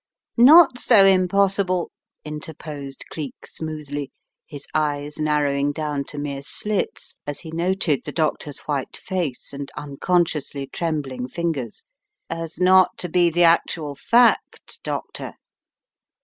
"Not so impossible," interposed Cleek smoothly, his eyes narrowing down to mere slits as he noted the doctor's white face and unconsciously trembling fingers, "as not to be the actual fact, Doctor."